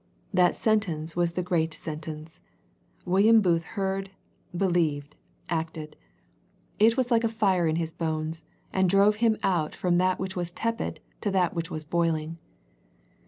" That sentence was the great sen tence. William Booth heard, believed, acted. 198 A First Century Message It was like a fire in his bones, and drove him out from that which was tepid to that which was boiUng.